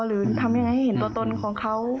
หรือทำยังไงให้เห็นตัวตนของเขา